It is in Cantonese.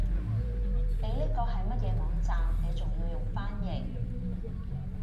你呢個係乜嘢網站你仲要用翻譯